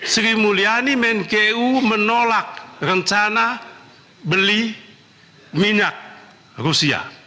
sri mulyani menku menolak rencana beli minyak rusia